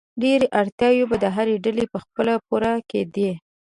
ډېری اړتیاوې به د هرې ډلې په خپله پوره کېدې.